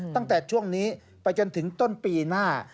ตั้งแต่ช่วงนี้ไปจนถึงต้นปีหน้า